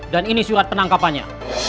dan ini surat penangkapannya